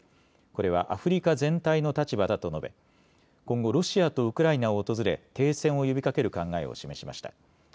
これはアフリカ全体の立場だと述べ、今後、ロシアとウクライナを訪れ停戦を呼びかける考えを示しました。